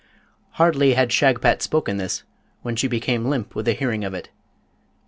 Hardly had Shagpat spoken this, when she became limp with the hearing of it.